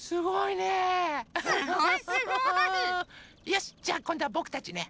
よしじゃあこんどはぼくたちね。